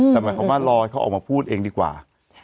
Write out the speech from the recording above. แต่เขาก็มารอให้เขาออกมาพูดเองดีกว่า